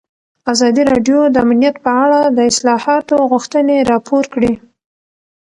ازادي راډیو د امنیت په اړه د اصلاحاتو غوښتنې راپور کړې.